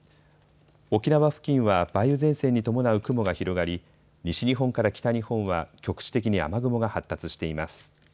沖縄付近は梅雨前線に伴う雲が広がり西日本から北日本は局地的に雨雲が発達しています。